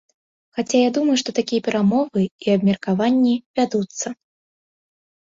Хаця я думаю, што такія перамовы і абмеркаванні вядуцца.